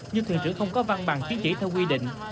nhưng thường trưởng không có văn bằng chiến chỉ theo quy định